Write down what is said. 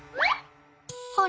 あれ？